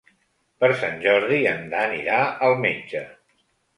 Per Sant Jordi en Dan irà al metge.